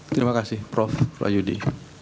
terima kasih prof wahyudi